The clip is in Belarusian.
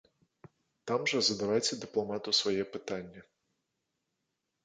Там жа задавайце дыпламату свае пытанні!